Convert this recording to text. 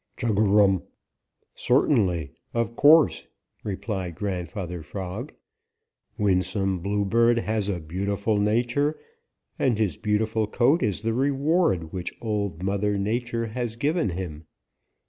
"Chug a rum! Certainly. Of course," replied Grandfather Frog. "Winsome Bluebird has a beautiful nature and his beautiful coat is the reward which Old Mother Nature has given him.